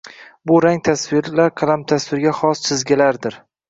Bu rangtasvirlar qalamtasvirga xos chizgilardir.